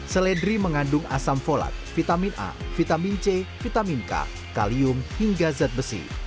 seledri mengandung asam folat vitamin a vitamin c vitamin k kalium hingga zat besi